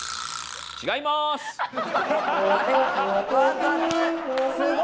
違います！